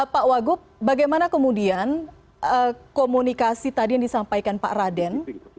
pak wagub bagaimana kemudian komunikasi tadi yang disampaikan pak raden